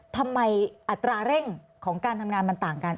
อัตราเร่งของการทำงานมันต่างกัน